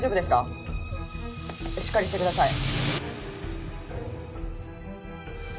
しっかりしてください